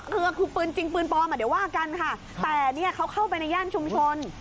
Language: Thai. คืออาคือปืนจริงปืนปลอมเดี๋ยวว่ากันแต่เราเข้าไปในย่านชุมชน